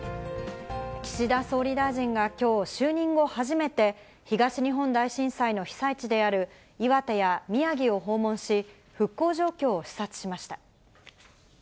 岸田総理大臣がきょう、就任後初めて、東日本大震災の被災地である、岩手や宮城を訪問し、復興状況を視察しました。